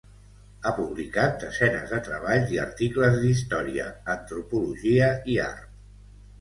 Ha publicat desenes de treballs i articles d'història, antropologia i art.